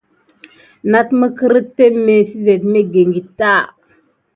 Nat migurin témé sisene məglekini.